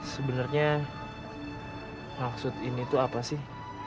sebenarnya maksud ini tuh apa sih